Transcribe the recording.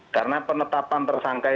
karena penetapan tersangka itu